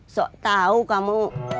sok tau kamu